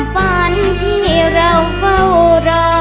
ฝันที่เราเฝ้ารอ